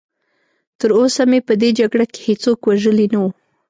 تراوسه مې په دې جګړه کې هېڅوک وژلی نه و.